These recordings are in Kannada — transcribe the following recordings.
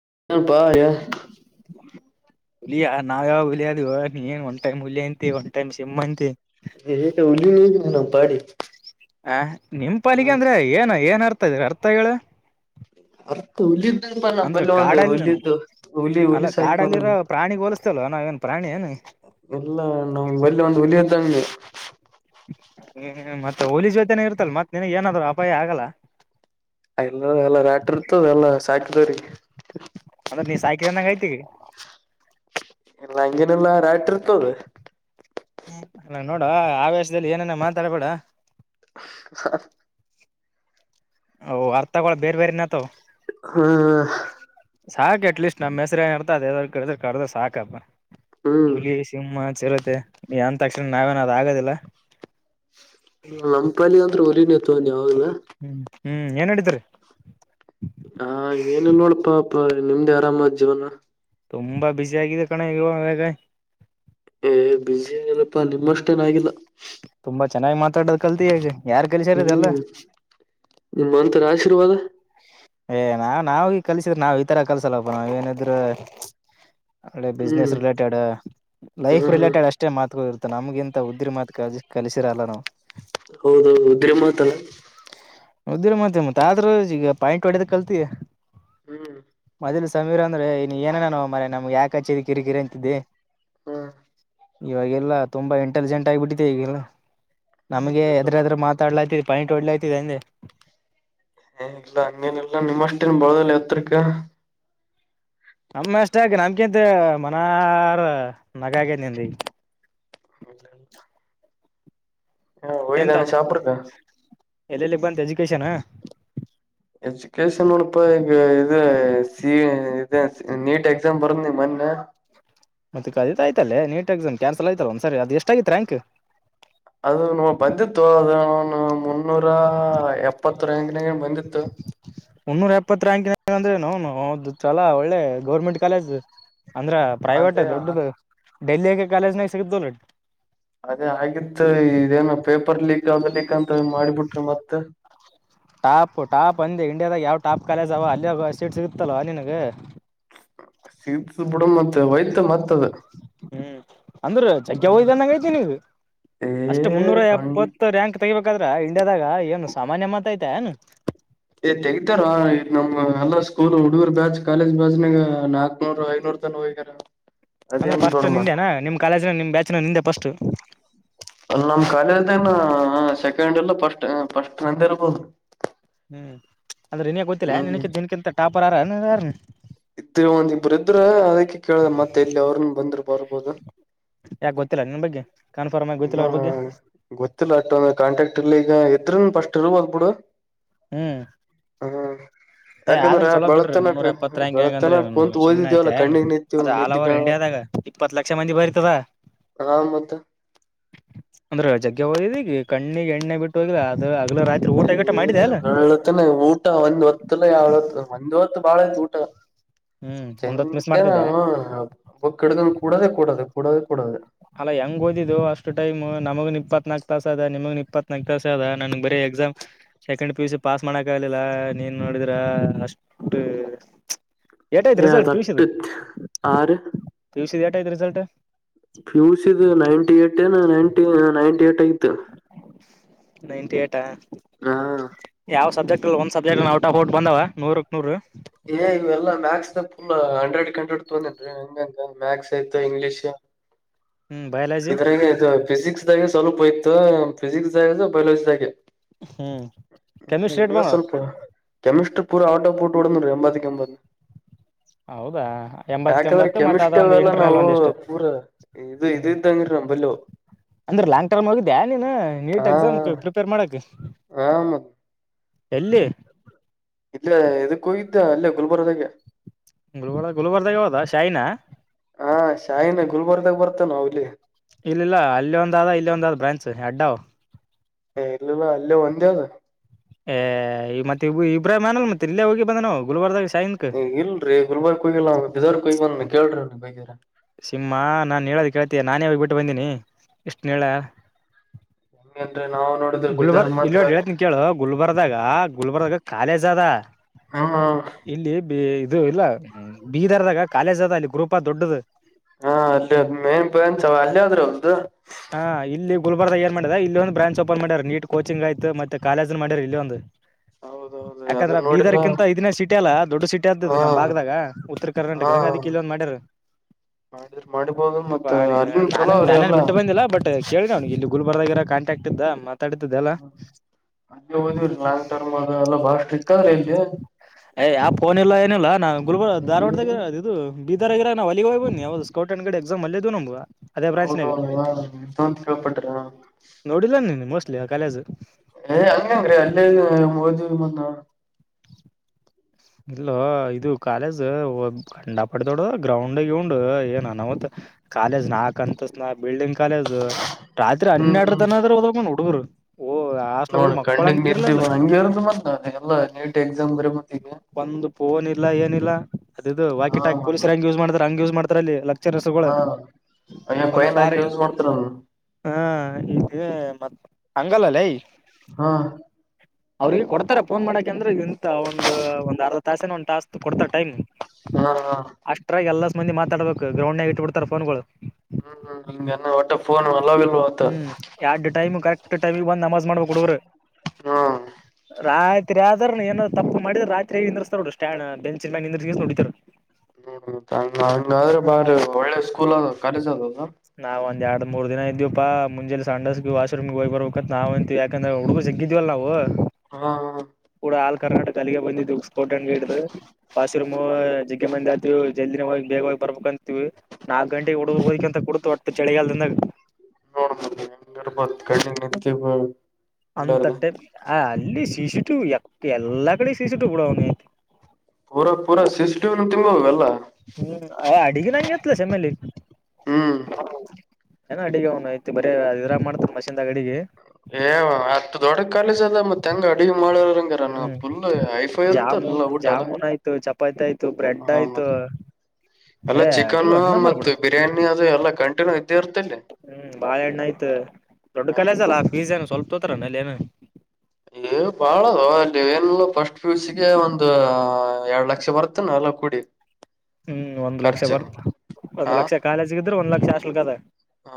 [unintelligible] ಹುಲಿಯ ನಾವ ಯಾವ ಹುಲಿಯದು ನೀನ್ ಒನ್ ಟೈಮ್ ಹುಲಿಯ ಅಂತಿ ಒಂದ್ ಟೈಮ್ ಸಿಂಹ ಅಂತತೀಯ ಹೇಗೆ ಹುಲಿ ನ ಹಗ ನಮ್ಮ ಪಾಲೀಗ್ ಆ ನಿಮ್ ಪಾಲಿಗೆ ಅಂದ್ರೆ ಏನ್ ಏನ್ ಅರ್ಥ ಇದ್ರಿ ಅರ್ಥ ಹೇಳ ಹತ್ತು ಹುಲಿ ಅಂದ್ರ ಕಾಡಲ್ಲಿ ಹುಲಿ ಅಲ್ಲ ಹುಲಿ ಸಾಕಿವಣ ಕಾಡಲ್ಲಿರೋ ಪ್ರಾಣಿಗ್ ಹೋಲಸ್ತಲ್ವ ನಾವ ಹೆನ್ ಪ್ರಾಣಿ ಏನು ಎಲ್ಲ ನಮ್ ಬಲ್ಲಿ ಒಂದು ಹಲಿಯ್ದಂಗೆ ಹ್ಮ ಮತ್ತೆ ಹುಲಿ ಜೊತೆನೆ ಇರ್ತಲ್ ಮತ್ತತ್ ನಿನಗ್ ಏನಾದ್ರು ಅಪಾಯ ಆಗಲ್ಲ ಎಲ್ಲ ಎಲ್ಲ ರಾಟ ಇರ್ತ ಎಲ್ಲ ಸಾಕಿದವ್ರಿ ಅಂದ್ರೆ ನೀ ಸಾಯಕನ್ನ ಕೈತಿಗೆ ಇಲ್ಲ ಹಂಗೇನೆಲ್ಲಾ ರಾತ್ ಇರ್ತದ ಹ್ಮ ಅಲ್ಲ ನೋಡುವ ಆವೇಶದಲ್ಲಿ ಏನನ ಮಾತಾಡ್ಬೇಡ ಹ ್ ಅರ್ ತಗೊಳ ಬೇರೆ ಬೇರೆನ್ತವ ಹ್ಮ ಸಾಕ್ ಅಟ್ಲೀಸ್ಟ್ ನಮ್ಮ್ ಹೆಸ್ರ ಏನ್ ಇರ್ತ ಅದಾದ ಕದ್ರ ಸಾಕಪ್ಪ ಹ್ಮ್ ಹುಲಿ ಸಿಮ್ಮ ಇರುತ್ತೆ ಅಂತ ತಕ್ಷಣ ನಾವೇನ ಅದ್ ಆಗೋದಿಲ್ಲ ನಂಪಲ್ಲಿ ಅಂದ್ರೆ ಹುರಿನ್ ಇತ್ ಒಂದ ಯಾವಾಗಲ ಹ್ಮ್ ಹ್ಮ್ ಏನ್ ಮಾಡಡಿದ್ರಿ ಹಾ ಏನಿಲ್ಲ ನೋಡಪಾಪ ನಿಮ್ದೇ ಆರಾಮದ್ ಜೀವನ ತುಂಬಾ ಬಿಸಿ ಆಗಿದೆ ಕಣ ಇಾಗ ಏ ಬಿಜ ಎನಪಾ ನಿಮ್ಮಷ್ಟೇನ ಆಗಿಲ್ಲ ತುಂಬಾ ಚೆನ್ನಾಗಿ ಮಾತಾಡೋದ್ ಕಲ್ತಿಗ ಯಾರ್ ಕೆಲಸಾರದಲ್ಲ ಹ್ಮ್ ನಿಮ್ಮಂತರ ಆಶೀರ್ವಾದ ಏ ನಾವ್ ನಾವ ಕಲ್ಸಿದ್ರ ನಾವ್ ಈ ತರ ಕಲ್ಸಲ್ಲಪ್ಪ ನಾವ ಏನಿದ್ರು ಅೆ ಹ್ಮ್ ಬಿಸ್ಿನನೆಸ್ ರಿಲೇಟೆಡ್ ಲೈಫ್ ಹ್ಮ್ ಹ್ಮ್ ರಿಲೇಟೆಡ್ ಅಷ್ಟೇ ಮಾತುಗ ಇರುತ್ತೆ ಮ ನಮ್ಗೆಿಂತ ಉದ್ದ್ರಿ ಮಾತು ಕ ಕಲಸಿರಲ್ಲ ನಾವು ಹೌದುೌ ಉದ್ರೆ ಮಾತಲ್ಲ ಉದ್ದಿರ ಮತ್ತೆ ಮತ್ತೆ ಆದ್ರೂ ಈಗ ಪಾಯಿಂಟ್ ಹೊಡದ ಕಲ್ತಯ ಹ್ಮ್ ಮೊದ್ಲು ಸಮೀರ ಅಂದ್ರೆ ಇ ಏನನ ಮರ ನಮ್ಗೆ ಯಾಕೆ ಹಚ್ಚಿದ ಕಿರಿಕಿರಿ ಅಂತಿದ್ದಿ ಹ್ಮ್ ಇವಾಗೆಲ್ಲಾ ತುಂಬಾ ಇಂಟೆಲಿಜೆಂಟ್ ಆಗಬಿಟ್ಟಿದೆ ಈಗೆಲ್ಲ ನಮ್ಗೆ ಇಲ್ಲಲ್ಲಪ್ಪ ಎದ್ರದ್ರ ಮಾತಾಡ್ಲಾತಿರಿ ಪೈಿಟ್ ಓಡ್ಲತಿಿದೆ ಅಂದೆ ಏ ಇಲ್ಲ ಹಂಗೇನೆಲ್ಲಾ ನಿಮ್ಮ್ಷ್ಟೇನ್ ಬಳದಲ್ಲ ಎತ್ರರಿಕ ನಮ್ಮ ಅಷ್ಟ ಆಗ ನಮಕಿಂತ ಮನಾರ ನಗ ಆಗೇತಿ ನಿನ್ಗ ಇಲ್ಲಲ್ಲ ಹ ಒಯ್್ದಾನು ಸಾಪಡ್ಬೇಕ ಎಲ್ಲೆಲ್ಲಿಗೆ ಬಂತ ಎಜುಕೇಶನ್ ಎಜುಕೇಶನ್ ನೋಡಪಾ ಈಗ E C E NEET exam ಬರಂದ್ ನೀ ಮೊನ್ನೆ ಹ ಮತ್ತ ಕದಿತಾಯಯತಲ್ಲ ನೀಟ್ ಎಕ್ಸಾಮ್ ಕ್ಯಾನ್ಸಲ್ ಆಯ್ತಲ್ಲ ಒಂದಸರಿ ಅದು ಎಷ್ಟ ಆೈತ್ ಅಂಕ್ ಅದು ನ ಬಂದಿತ್ತು ಅದ ನೂರ ಎಪ್ಪತ್ತರಿನ ಬಂದಿತ್ತು ಮುನ್ನೂರ ಎಪ್ಪತ್ ರಂಕ ಅಂದ್ರೆ ನ ಚಲಾ ಒಳ್ಳೆ ಗೌರ್ಮೆಂಟ್ ಕಾಲೇಜ್ ಅಂದ್ರ ಪ್ರೈವೇಟ್ ಅದೇ ದೊಡ್ಡ್ದ ಡೆಲ್ಲಿಯಕ ಕಾಲೇಜ್ನಾಗ ಸಿಗತಲ್ ಅದೇ ಆಗಿತ್ತು ಇದೇನ ಪೇಪರ್ ಲೀಕ್ ಆದ ಲೀಕ್ ಅಂತ ಮಾಡಿಬಿಟ್ರಿ ಮತ್ತ ಟಾಪ್ ಟಾಪ್ ಅಂದೆ ಇಂಡಿಯಾದಾಗ ಯಾವ ಟಾಪ್ ಕಾಲೇಜ್ ಅವ ಅಲ್ಲಿೋಗ ಸೀಟ್ ಸಿಗುತ್ತಲ್ವ ನಿನಗೆ ಶೀತ ಬಿುಡ ಮತ್ತ ವೈ್ತ ಮತ್ತದ ಹ್ಮ್ ಅಂದ್ರ ಜಗ್ಗೆ ಹ್ದಂದಂಗ ಐತಿ ನೀಗ ಅಷ್ಟ್ ಏ ಮುನ್ನೂರ ಕಣ್ ಎಪ್ಪತ್ತು ರ್ಯಾಂಕ್ ತಗಿಬೇಕ ಹದ್ರ ಇಂಡಿಯದಾಗ ಏನು ಸಾಮಾನ್ಯ ಮತ ಐತೆ ಏನು ಏ್ ತೆಗತಾರ ನಮ್ ಎಲ್ಲ ಸ್ಕೂಲ್ ಹುಡುಗರ್ ಬ್ಯಾಚ್್ ಕಾಲೇಜ್ ಬ್ಯಾಚ್ನಾಗ ನಾಕ್ನೂರ್ ಐನೂರು ವಗರ ಅಂದ್ರೆ ಫಸ್ಟ್ ನಿಂದೆನಾ ನಿಮ್ ಕಾಲೇಜ್ಿನ ನಿಮ್ ಬ್ಯಾಚ್ ನ ನಿಂದೆ ಫಸ್ಟ್ [inaudible] ಅಲ್ಲಿ ನಮ್ ಕಾಲೇಜ್ದನು ಸೆಕೆಂಡ್ ಇಲ್ಲ ಸ್ಟ್ ಫಸ್ಟ್ ಅಂದ ಇರ್ಬೋದು [inaudible] ಹ್ಮ್ ಅಂದ್ರೆ ಇನ್ಯ ಗೊತ್ತಿಲ್ಲ ಹ್ಮ್ ನಿನಕ್ಕೆ ನಿನಕಿಂತ ಟಾಪರ್ಾರ ಯಾರ ಇದ್ರ ಒಂದಿಬ್ರು ಇದ್ರ ಅದಕ್ಕೆ ಕೇಳಿದೆ ಮತ್ತೆ ಇಲ್ಲಿ ಅವ್ರನ್ ಬಂದ್ರರು ಬರ್ಬೋದು ಯಾಕೆ ಗೊತ್ತಿಲ್ಲ ನಿಮ ಬಗ್ಗೆ ಕನ್ಫರ್ಮ್ ಆಗಿ ಗೊತ್ತಿಲ್ಲ ಇನ್ನು ಅವ್ರ ಬಗ್ಗೆ ಗೊತ್ತಿಲ್ಲ ಅಟೊಂದ ಕಾಂಟ್ರಾಕ್ಟ್ ಇರ್ಲಿಗ ಎತ್ರನ್ ಪಸ್ಟ್ರು ಹೋಗ್ಬಿಡು ಹ್ಮ್ [inaudible] ಏ್ ಆದ್ರೆ ಯಾಕಂದ್ರ ಚಲೋ ಬಿಡ್ರಿ ಬೆಳತನ ಮುನ್ನೂರ ಎಪ್ಪತ್ ರಾಂಕ್ ಹೆಂಗ ಬೆಳತನ ಅ್ರ ಕುಂತ್ ಸುಮನೆ ಓದಿದೇವಲ್ಲ ಐತೆ ಕಣ್ಣಿಗ್ ನಿತ್ತೀವಿ ಅದು ಆಲ್ ನಿದ್ದಿ ಓವ ಕಾಣಲ್ಲ ಇಂಡಿಯಾದಾಗ ಇಪ್ಪತ್ತು ಲಕ್ಷ ಮಂದಿ ಬರ್ತದ ಹಾ ಮತ್ತ ಅಂದ್ರ ಜಗ್ಗೆ ಹೋದಿದ ಈಗ ಕಣ್ಣಿಗೆ ಎಣ್ಣೆ ಬಿಟ್ಟು ಹೋಗ್ಿಲ್ಲ ಅ ಏ ಬರಳತಾನ ಊಟ ಒಂದ್ ಹೊತ್ತಲ ಯಾವಳ್ ಹೊತ್ತು ಒಂದ್ ಹೊತ್ತು ಬಾಳ ತೂಟ ಹ್ಮ್ ಒಂದ್ ಹೊತ್ ಮಿಸ್ ಚಂತೆ ನ ಮಾಡ್ತಿದ್ದೆ ಒಬ್ಬಕ್ಡಗನ್ ಕೂಡೋದೆೇ ಕೂಡೋದೆೇ ಕೂಡದು ಅಲ್ಲ ಹೆಂಗ್ ಓದಿದ ಅಷ್ಟ ಟೈಮ್ ನಮಗನ್ ಇತ್ನಾಲ್ಕು ತಾಸ ಅದ ನಿಮಗ್ ಇಪ್ಪತ್ನಾಾಕಕ್ ತಾಸ ಅದ ನನ್ಗ್ ಬರೇ exam second P U C pass ಮಾಡಕ ಆಗ್ಲಿಲ್ಲ ನೀನ್ ನೋಡಿದ್ರ ಅಷ್ಟು ಎಟಐ್ತ್ ರಿಸಲ್ಟ್ ತಟ್ಟ ಪುಷದ ಆರ್ ಪಷದ ಎಟೈತಿ ರಿಸಲ್ಟ್ ಪ್ಯೂಸ್ದು ನೈಂಟಿ ಏಟ್ ಏ ನೈಂಟಿ ನೈಂಟಿ ಏಟ್ ಆಐತು ನೈನ್ಟಿ ಏಟಾ ಹಾ ಒ್ ಸಬ್ಜೆಟ್ ಟ್ ಆಫ್ಟ್ ಬಂದವ ನೂರ್ ಏ ಇವೆಲ್ಲ ಮ್ಯಾಕ್ಸ್ ಫುಲ್ ಹಂಡ್ರೆಡ್ ಹಂಡ್ರೆಡ್ ತೊಂದನ್ೀ ಹಂಗಂಗ ಮ್ಯಾಕ್ಸ್ ಆಯ್ತು ಇಂಗ್ಲಿೀಷ್ ಹ್ಮ್ ಬಯಾಲಜಿ ಇದರ ಇ ಫಿಸಿಕ್ಸ್ ದಾಗೆ ಸ್ವಲ್ಪ ಇಯ್ತು ಫಿಸಿಕ್ಸ್ ದಾಗ ಬಯಾಲಜಿದಾಗೆ ಹ್ಮ ಕೆಮಿಸ್ಟ್ರಿ ರೇಟ್ ಇ್ಯ ಬಂದ ಸ್ವಲ್ಪ ಕೆಮಿಸ್ಟ್ರ್ ಪೂರ ಆಟೋ ಪಟ್ಟ ಬಿಡ ಎಂಬತ್ತಿ ಎಂಬ ಹೌದಾ ಎಂಬತ್ತ ಎಂಬತ್ತು ಮತ್ತೆ ಅದ ಕೆಮಿಸ್ಟ್ರಿ ಒಂದು ಅವೆಲ್ಲ ಎಂಟರ್ ನಲ್ಲಿ ನಾವು ಒಂದ ಎಷ್ಟು ಪೂರ ಇದು ಹ್ಮ ಇದು ಇದ್ದಂಗ್ರಿ ನಂಬಲ್ಲಿ ಅವು ಅಂದ್ರೆ ಲಾಂಗ್ ಟರ್ಮ್ ಹೋಗಿದ್ದೆ ನೀನು ನೀಟ್ ಹಾ ಎಕ್ಸಾಮ್ ಪ್ರಿಪೇರ್ ಮಾಡಕ್ ಹಾ ಮತ್ ಎಲ್ಲಿ ಇಲ್ಲೇ ಎಕ್ಕ ಹೋಗಿದ್ದ ಅಲ್ಲೇ ಗುಲ್ಬರ್ಗದಾಗೆ ಗುಲ್ಬರ್ ಗುಲ್ಬರ್ದಾಗ ಹೋದಾ ಶೈನಾ ಹ ಶಾಯಿನ ಗುಲ್ಬರ್ಗಾಗ ಬರ್ತ ನಲ್ಲಿ ಇಲ್ಲಿಲ್ಲ ಅಲ್ಲಿ ಒಂದಾದ ಇಲ್ಲಿ ಒಂದಾದ ಬ್ರಾಂಚ್ ಅಡ್ಡಾವ ಎರ್ಲ ಅಲ್ಲೇ ಒಂದೇ ಅದ ಏ್ ಮತ್ತೆ ಇಬ್ರಾಹಿ್ ಅನಲ್ ಮತ್ತೆ ಇಲ್ಲೇ ಹೋಗಿ ಬಂದ ನವು ಗುಲಬರ್ದಾಗ ಇಲ್ರಿೀ ಗುಲ್ವಾರ್ ಕೊಯ್ಲ್ಲ ಬರ್ ಕೊಯ್ ಕೇಳ್ರಿ ಅವಿ ಬೈಗರ ಸಿಮ್ಮ ನಾನನ್ ಹೇಳೋದ ಕೇಳ್ತಯ ನಾನೇ ಹೋಗ ಬಿಿಟ್ಟು ಬಂದೀನಿ ಎಷ್ಟು ಹೇಳ ಹ ಗುಲ್ಬರ್ ಇಲ್ಲಿ ಹೇಳ್ತನ ಕೇಳು ಗುಲ್ಬರ್ದಾಗ ಗುಲ್ಬರ್ದಾಗ ಕಾಲೇಜ್ ಅದ ಹಾ ಇಲ್ಲಿ ಬಿ ಇದು ಇಲ್ಲ ಬೀದರ್ದಾಗ ಕಾಲೇಜ್ ಅದ ಅಲ್ಲಿ ಗ್ರೂಪ್ ಅ ದೊಡ್ಡದದು ಹಾ ಅಲ್ಲಿ ಮನ್ನ್ಸ ಅಲ್ಲ ಆದ್ರೂ ಹೌ್ದ ಗುಲ್ಬರ್ದ ಏನ್ ಮಾಡಿದೆ ಇಲ್ಲಿ ಒಂದು್ರಾಚ್ ಓಪನ್ ಮಾಡ್ಯರ್ ನೀಟ್ ಕೋಿಂಗ್ ಆಯತತ್ತ್ತೆ ಕಾಲೇಜನ್ ಮಾಡ್ಯರ್ ಇಲ್ಲಿ ಒಂದು ಹೌದು ಯಾಕಂದ್ರ ಬೀದರ್ಕ್ಕಿಂತ ಇದನ್ನೇ ಸಿಟಿ ಅಲ್ಲಾ ದೊಡ್ ಸಿಟಿ ಆದ್ದು ಹಾ ನಮ್ ಭಾಗ್ದಾಗ ಉತ್ತರ ಹಾ ಕರ್ನಾಟಕದಾಗ ಅದಿ ಇಲ್ವೊ್ ಮಾಡ್ಯಾರ ಮಾಡಿದ್ರ ಮಾಡಿಬೋದು ಮತ್ತ ಬಾ ನೀನು ಅಲ್ಲಿನ್ ಚಲೋ ನಾನೇನ್ ಅವ್ರಿ ನಾನೇನ್ ಎಲ್ಲಾ ಬಿಟ್ಟು ಬಂದಿಲ್ಲ ಬಟ್ ಕೇಳಿ ಅವ್ಿಗೆ ಎಲ್ಲಿ ಗುಲ್ ಬದ ಇರ ಕಾಂಟಕ್ಟ್ ಇದ್ದ ಮೆ ಹ ಅ ಹಓದ ಲಾಂಗ್ ಟರ್ಮ್ ಅ ಎಲ್ಲ ಬಾಳಷ್ಟ ಇ ರೇಜ ಲ್ಲ ಏನಿಲ್ಲಾ ಗುಲ್ಬರ್ ಧಾರವಾಡದಾಗ ಇರ ಇದು ಬೀದರ್ಗ ಇರ ನಾಲಿಗ್ ಹೋಗ್ ನೀ ಸ್ಕೌಟ್ ಅ್ಡೆ ಎಕ್ಸಾಮ ಅಲ್ಲೇದು ನುವ ಹೌದೌ ತೊ ಕಾಪಡರ ನೋಡಿಲ್ಲ ನೀನು ಮೋಸ್ಟ್ಲಿ ಆ ಕಾಲೇಜ್ ಏ ಹಂಗಂಗ್ರೀ ಅಲ್ಲೇ ಹದ ಮಂದ ಇಲ್ಲ ಇದು ಕಾಲೇಜ್ ಗಂಡ ಪಡದೊಡ ಗ್ರೌಂಡ್ಗ ಉಂಡ್ ಏನ್ ಅನವತ್ ಕಾಲೇಜ್ ನಾಕಕ್ ಅಂತ ನಾಲ್ಕು ಬಿಲ್ಡಿಂಗ್ ಕಾಲೇಜ್ ರಾತ್ರಿ ಹ್ಮ್ ಹನ್ನೆರಡು ಹ್ಮ್ ತನದ್ರ ಹದನ್ ಹುಡುಗರು ಓ ಹಾಸ್ಟೆಲ್ ನೋಡ ಹೋಗಿ ಕಣ್ಣಗ್ ಮಕ್ಕೊಳಂಗಿರ್ಲಿಲ್ಲ ನಿಿದ್ದ್ದಿವವ ಹಂಗಗೆ ಇರದು ಮತ್ತ ಎಲ್ಲಾ ನೀಟ್ ಎಕ್ಸಾಮ್ ಬರ ಮತ್ತಿಗೆ ಒಂದು ೋನ್ ಇಲ್ಲ ಏನಿಲ್ಲ ಅದು ಇದು ಹಾ ವಾಕಿಟಾಕ ಪೊಲೀಸರ್ ಹೆಂಗ ಯೂಸ್ ಮಾಡತಾರ ಹಂಗ ಯೂಸ್ ಮಾಡ್ತಾರೆ ಅಲ್ಲಿ ಲಕ್ರ್ ರಸಗಳು ಹಾ ಅಯ್ಯ ಕೊಯನ್ ಹಾಕಿ ಯೂಸ್ ಮಾಡ್ತಾರ ಹಾ ಈ ಮ ಹಂಗಲ್ಲ್ಲೇ ಹಾ ಅವ್ರಿಗೆ ಕೊಡ್ತಾರ ಫೋನ್ ಮಾಡಾಕ ಅಂದ್ರೆ ಇಂತ ಒಂದ ಒಂದ್ ಅರ್ಧ ತಾಸೇನ ಒಂದಂದು ಟಾಸ್ಕ್ ಕೊಡ್ತಾರೆ ಟೈಮ್ ಹಾ ಹಾ ಮಂದ ಮಾತಾಡಬೇಕು ಗ್ರೌ ನಾಗ ಇಟ್ ಬಿಡ್ತಾರೆ ಫೋನ್ಗಳು ಹ್ಮ್ ಹ್ಮ ಹಂಗ ಒಟ್ಟ ಫೋನ್ ಮಾಡ ಹ್ಮ್ ಯಡ್ ಟೈಮ್ ಕರೆಕ್ಟ್ ಟೈಮಿಗೆ ಬಂದ್ ನಮಾಜ್ ಮಾಡ್ಬೇಕಕ್ ಕುಡ್ರ ಹ್ಮ್ ರಾಜಾಯ ಆದದಾರ್ ಏನ ತಪ್ಪ ಮಾಡಿದ ರಾತ್ರಿರತ ಸ್ಟಂಡ್ ಬೆಂಚ ನೋಡರು ಹ್ಮ ಹಂಗಾದ್ರೆ ಬಾರಿ ಒಳ್ಳೆ ಸ್ಕೂಲ್ ಅದ ಕರೆಜ್ ಅದದ ನಾವ್ ಒಂದ ಎರಡ್ ಮೂರ್ ದಿನ ಇದ್ದವಿಪಾ ಮುಂಜೆ ಸಂಡಸಸ್ಗ ವಾಷ್ರೂಮ್ಗೆ ಹೋಗ್ ಬರ್ಬೇಕ ನಾವ್ಂತ ಯಕಂದೆ ಹುಡುಗ ಸ ಗಿದ್ದವಲ್ಲವು ಹಾ ಹಾ ಕೂಡ ಹಾಲ್ ಕರ್ನಾಟಕ ಅಲ್ಲಿಗೆ ಬಂದಿದ್ದ ಸ್ಕೋಟಗೆಡ್ದು ವಾಷ್ರೂಮ್ ಜಿಗ್ಗ ಮಂದಿ ಆ ಜಲ್ದಿನ ಹೋಗಿ ಬೇಗವಾಗಿ ಬರ್ಬೇಕ ಅಂತೀವಿ ನಾಕಕ್ ಗಂಟೆ ಹುಡುಗ ಹೋಗಿಕ ಅಂತ ಕೊಡತು ಒಟ್ಟು ಚಳಿಗಾಲದಿಂದಾಗ ನೋಡ ಮ ಹೆಂಗರ ಮತ್ ಕ ನಿಂತ ಅಂತ ಟೈಮ್ ಆ ಅಲ್ಲಿ ಶಶಿಟು ಎಲ್ಲಾ ಕಡೆ ಶಶುಟು ಬಿೂಡ ಅವನಐತಿ ತಿ ಹಲ್ಲ ಹ್ಮ್ ಅಡಗಿನ ಹಂಗೆ ಇತ್ತ ಸಮ್ಮಲ್ಲಿ ಹ್ಮ್ ಏ ಅಡಗ ಅವ್ನು ಐತಿ ಬರೀ ಅರ ಮಾಡ್ತ ಮಷೀನ್ ಏ ಹತ್ತು ದೊಡ್ಡ ಕಾಲೇಜ್ ಅದ ಮತ್ತ ಹೆಂಗ ಅಡುಗೆ ಮಾಡಂಗಾರ ನ ಹ್ಮ್ ಫುಲ್ ಐಫೈ ಇರ್ತಲ್ಲ ಊಟ ಅಲ್ಲ ಯ್ತ ಆಯ್ತು ಬ್ರೆಡ್ ಹಾ ಆಯ್ತು ಮತ್ ಎಲ್ಲ ಏ ಚಿಕನ್ ಅಡಿಗೆ ಒಂದ್ ಮ ನಂಬರ್ ಬಿಡು ಬಿರಿಯಾನಿ ಅದು ಎಲ್ಲ ಕಂ ಹ್ಮ್ ಬಾಳ ಎಣ್ಣ ಆಯ್ತ ದೊಡ್ಡ ಕಲಸ ಅಲ್ಲ ಈಜ ಏ ಸ್ವಲ್ಪ ತೋತರನ ಅಲ್ಲಿ ಏನ ಬಾಳದು ಅ ಏನಲ್ಲ ಫಸ್ಟ್ ಪ್ಯೂಸಗೆ ಒಂದು ಎರಡ್ಡು ಲಕ್ಷ ಬರ್ತನ ಅಲ್ಲ ಕುಡಿ ಹ್ಮ್ ಒಂದ್ ಲಕ್ಷ ಬರ್ತ ಒಂದ್ ಹ ಲಕ್ಷ ಕಾಲೇಜ್ಗ ಇದ್ರೆ ಒಂದ್ ಲಕ್ಷ ಹಸ್ಲ್ ಕದ ಹ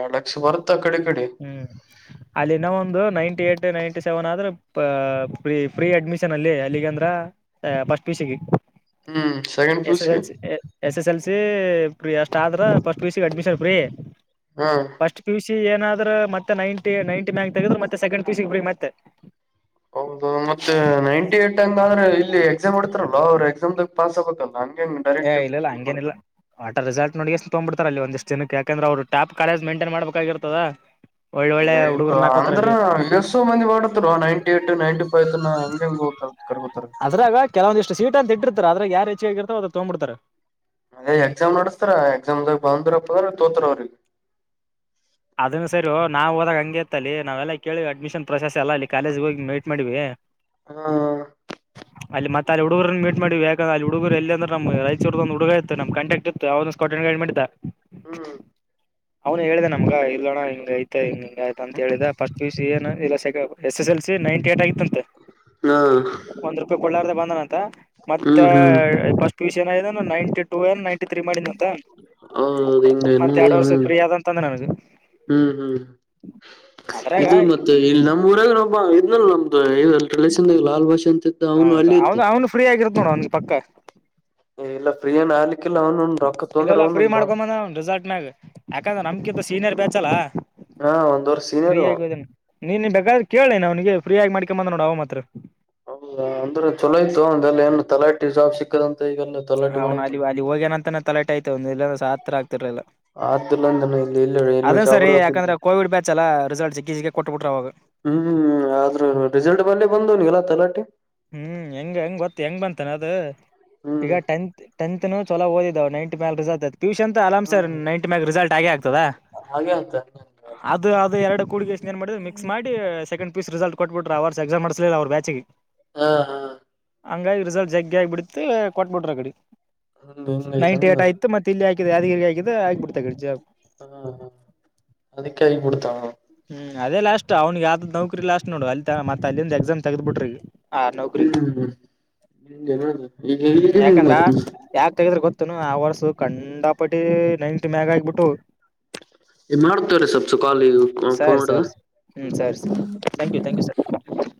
ಎರಡ್ ಲಕ್ಷ ಬರುತ್ತ ಆ ಕಡೆ ಈ ಕಡೆ ಹ್ಮ್ ಅಲ್ಲಿನ್ನ ಒಂದು ನೈಂಟಿ ಏಟ್ ನೈಂಟಿ ಸೆವೆನ್ ಆದ್ರ ಫ್ರೀ ಅಡ್ಮಿಷನ್ ಅಲ್ಲಿ ಅಲ್ಲಿಗೆಂದ್ರ ಫಸ್ಟ್ ಹ್ಮ್ second P U S S L ಗೆ C S S L C free ಅಷ್ಟ ಆದ್ರ ಫಸ್ಟ್ ಪ ಸಿ ಅಡ್ಮಿಷನ್ ಫ್ರೀ ಹಾ ಏನಾದ್ರರು ಮತ್ತೆ ನೈಂಟಿ ನೈಂಟಿ ಮ್ಯಾಂಕ್ ತೆಗೆದ್ರ ಮತ್ತೆ ಸೆಕಂಡ್ ಪೀಸ್ ಬಿ ಮತ್ತೆ ಹೌದು ಮತ್ತೆ ನೈಂಟಿ ಏಟ್ ಹಂಗಾದ್ರೆ ಪಾಸ್ಗೆಬೇಕಲ್ ಏ ಇಲ್ಲ ಇಲ್ಲ ಹಂಗೇನ ಇಲ್ಲ ವಟರ್ ರಿಸಲ್ಟ್ ನೋಡಿಷ್ಟ ತಗ್ಬ ಬಿಡ್ತಾರಲ್ಲಿ ಒಂದಷ್ಟ ದಿನಕ್ಕೆ ಯಾಕಂದ್ರ ಅವರು ಟ್ಯಾಪ್ ಕೇಜ ಮಂಟನ್ ಮಾಡಬೇಕಾಗಿರ್ತದ ಏ ಇಲ್ಲ ಅಂದ್ರ ಎಸೋ ಮಂದಿ ಮಾಡತ್ ನೈಂಟಿ ಏಟ್ ನೈನ್ಟಿ ಫೈವ್ ಹಂಗಂಗ ಅದ್ರಾಗ ಕೆಲವಂದಿಷ್ಟು ಸೀಟ್ ಅಂತ ಇಟ್ಟಿರ್ತಾರೆ ಅದ್ರಾಗ ಯಾರ್ ಹೆಚ್ಚೆ ಆಗಿರ್ತೋ ಅದ್ರ ತಗ್ಬಿಡ್ತಾರೆ ಅ ಎಕ್ಸಾಮ್ ನಡಸ್ತಾರ ಎಕ್ಸಾಮ್ ದಾಗ ಬಂದ್ರಪ್ಪದ ತೋತ್ರರ ಅವ್ರಿಗೆ ಅದನ್ನ ಸರಿ ನಾವು ಹೋದಾಗ ಹಂಗೆ ಏತಾಲ್ಲಿ ನಾವೆಲ್ಲಾ ಕೇಳಿವವಿ ಅಡ್ಮಿಷನ್ ಪ್ರೊಸೆಸ್ ಎಲ್ಲ ಇಲ್ಲಿ ಕಾಲೇಜ್ ಹೋಗಿ ಮೈಟ್ ಮಾಡ್ವಿ ಹಾ ಮತ್ತ ಅಲ್ಲಿ ಹುಡುಗರು ಮೀ ಮಾಡ್ದ ಅ ಏಕೆಂದರೆ ಹುಡುಗರು ಎಲ್ಲಂದ್ರ ನ ಚ ಹುಡುಗ ಇತ್ತು ನಮ ಕಂಟಕ್ಟ್ ಇತ್ತು ಒಂದ ಮಾಡಿದ್ದ ಹ್ಮ್ ಅವ್ನು ಹೇಳಿದೆೆ ನಮ್ಗ ಇಲ್ಲೋಣ್ಣ ಹಂಗ ಐತಾ ಹಂಗ ಹಿಂಗ ಆಯ್ತ ಅಂತ ಹೇಳಿದ ಸ್ಟ್ ಪಿ ಯು ಸಿ ಏನ್ ಇಲ್ಲ ಸೆ S S L C ninety eight ಆಗಿತ್ತಂತೆ ಹಾ ಒಂದ್ ರೂಪಾಯಿ ಕೊಳ್ಳಾರ್ದ ಬಂದನ ಅಂತ ಮತ್ತೆ ಹ್ಮ್ ಹ್ಮ್ first P P U C ninety two N ninety three ಮಾಡಿದ ಅಂತ ಹೌದೌದು ಹಿಂಗ ಮತ್ತ ಅನ್ನೋದು ಎರಡು ವರ್ಷ ಹ್ಮ್ ಪ್ರಿಯ ಅಾದ ಅಂತ ಅಂದ್ರೆ ನನಗೆ. ಹ್ಮ್ ಹ್ಮ್ ಅದ್ರಾಗ ಇದು ಮತ್ತೆ ಇಲ್ಲಿ ನಮಮ್ಮ ಊರಾಗ ನೋಬ. ಇದನಲ್ ನಮ್ದು ಇ ರಿಲೇಷನ್ ಲಾಲ್ ಭಾಷನ್ ಹೌದಾ ಹೌದ್ ಅವ್ನು ಫ್ರೀ ಆಗಿರುತ್ತ ನೋಡ ಅವನ್ ಪಕ್ಕ ಏ ಇಲ್ಲ ಫ್ರೀಯನ್ ಅಳಿಕಿಲ್ಲ ಅವನು ರೊಕ್ಕ ತೊಂದ್ರೆ ಒಂದನ್ ಬಾ [unintelligible] ಯಾಕಂದ್ರೆ ನಮ್ಕಿಂತ ಸೀನಿಯರ್ ಬ್ಯಾಚ್ ಅಲ್ಲಾ ಹಾ ಒಂದ್ ವರ್ಷ ಫ್ರೀ ಸೀನಿಯರ್ ಅವ ಆಗಿಬಂದೆನ್ ನೀನ್ನ್ ಬೇಕಾದ್ರೆ ಕೇಳಿ ನಿನ್ ಅವ್ನಿಗ್ [unintelligible] ಫ್ರೀಯಗ ಮಾಡಕೊ ಬಂದನ್ ನೋಡ ಅವ ಮಾತ್ರ ಹೌದಾ ಅಂದ್ರೆ ಚೊಲೋ ಐತೊ ಒಂದಲ್ಲ ಏನ್ ತಲಾಟಿ ಸಾ ಸಿಕ್ಕದಂತ ಈಗೆಲ್ಲ ತಲಾಟಿ ಅವನ್ ಅಲ್ಲಿ ಮಾಡತಾನ ಅಲ್ಲಿ ಹೋಗ್ಯನಂತಾನ ತಲೆಾಟೆ ಆಯತ ಇಲ್ಲ ಸ ತರ ಆಗ್ತಿರ್ಲಲ್ಲಾ ಆದಿಲ್ಲಂದನ ಇಲ್ಲಿ ಇಲ್ಲ ಇಲ್ಲಿ ಅದನ್ ಸರಿ ಯಾಕಂದ್ರೆ ಶಾಪುರದ ಕೋವಿಡ್ ಬ್ಯಾಚ್ ಅಲ್ಲ ರಿಸಲ್ಟ್ ಜಿಕ್ಕಿಜಿಕ್ಕಿ ಕೊಟ್ಟ ಬಿಿಟ್ರ ಅವಾಗ ಹ್ಮ್ ಹ್ಮ್ ಅದ್ರ್ ರಿಸಲ್ಟ್ ಬಲ್ಲಿಿ ಬಂದವನಗೆಲ್ಲ ತಲಾಟಿ ಹ್ಮ್ ಹೆಂಗ ಹೆಂಗ್ ಗೊತ್ತ ಹೆಂಗ್ ಬಂತಾನ ಅದು ಹ್ಮ್ ಈಗ ಟೆಂತ್ ಟೆಂತ್ ತ್ ಚಲೋಓದಿದ್ದವು ನೈಟಿ ಮಕ್ ರಿಸಲ್ತ್ ಪಿ ಯು ಸಿ ಅಂತೂ ಅರಾಮ ಸರ್ ಹ ನೈಂಿ ಮ್ಯಾಕ್ ರಿಸಲ್ಟ್ ಆಗೆ ಆಗ್ ತದ ಹಾಗೆ ಆತ ಅದು ಅದು ಎರಡು ಕುಡಿ ಕಾಯ್ಸಿಗಿಂದ್ ಏನ್ ಮಾಡ ಮಿಕ್ಸ್ ಮಾಡಿ second P U C result ಕೊಟ್ಬಿರ ಅವರ್ ಎಸ್ಸಲಿಲ್ಲ ಅವ್ರ ಬ್ಯಾಚ್ಗೆ ಹಾ ಹಾ ಹಂಗಾಗಿ ರಿಸಲ್ಟ್ ಜಗ್ಗಿ ಆಗಿ ಬಿಡತು ಕೊಟ್ಬಿಟ್ರ ಕಡೆ ಹಂಗ ನೈಂಟಿ ಏಟ್ ಹಿಂಗೈತನದು ಆಯ್ತು ಮತ್ತೆ ಇಲ್ಲಿ ಅಕ್ ಯಾದ್ಗೀರ್ [unintelligible] [unintelligible] ಹ್ಮ್ ಅದೇ ಲಾಸ್ಟ್ ಅವ್ನಿಗೆ ಯಾವ್ದ್ ನೌಕರಿ ಲಾಸ್ಟ್ ನೋಡ ಅ ಮತ್ತ ಅಲ್ಲಿಂದ ಎಕ್ಸಾಮ್ ತೆಗ್ ಬಿಟ್ರಿಗ. ಹ ನೌಕರಿ ಹ್ಮ್ ಹಿಂಗೇನ ಈಗ ಹ್ಮ್ ಈಗನ್ ಯಾಕಂದ್ರ ಯಾಕ ತಗದ್ರ ಗೊತ್ ತನು ಆ ವರ್ಸ ಕಂಡಾಪಟಿ ನೈಂಟ್ ಮ್ಯಾಗ ಆಗ್ಬಿಟ್ಟು. ಮಾಡ್ತೇವ್ರೀ ಸ್ವಲ್ಪ್ ಸುಖಾಲಿ. ಸರಿ ಸರಿ ಹ್ಮ್ ಸರಿ ಸರಿ thank you thank you sir [unintelligible]